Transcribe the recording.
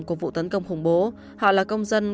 của vụ tấn công khủng bố họ là công dân